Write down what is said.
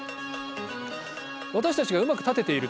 私たちがうまく立てている時